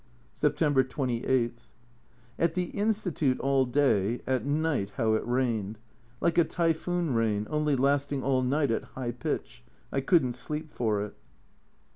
September 28. At the Institute all day, at night how it rained ! Like a typhoon rain, only lasting all night at high pitch ; I couldn't sleep for it.